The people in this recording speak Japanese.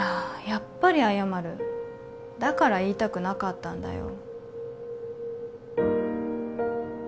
やっぱり謝るだから言いたくなかったんだよ